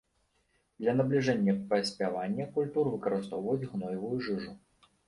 Для набліжэння паспявання культур выкарыстоўваюць гноевую жыжу.